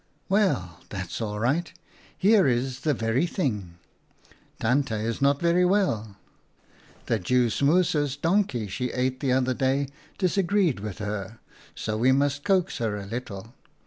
" 'Well, that's all right. Here is the very thing. Tante is not very well. The Jew smouse's donkey she ate the other day dis agreed with her, so we must coax her a little.